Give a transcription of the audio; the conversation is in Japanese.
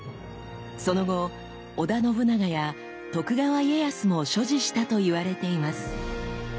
その後織田信長や徳川家康も所持したと言われています。